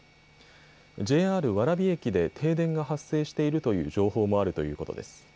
ＪＲ蕨駅で停電が発生しているという情報もあるということです。